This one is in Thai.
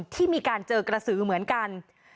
ที่มีการเจอกระสือเหมือนกัน